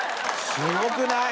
すごくない？